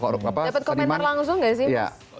dapat komentar langsung gak sih mas